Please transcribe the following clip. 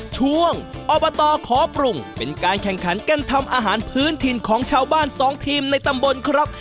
ช่วงอบตขอปรุงเป็นการแข่งขันการทำอาหารพื้นถิ่นของชาวบ้านสองทีมในตำบลครับ